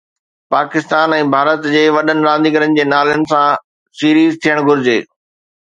پاڪستان ۽ ڀارت جي وڏن رانديگرن جي نالن سان سيريز ٿيڻ گهرجي